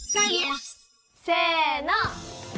せの！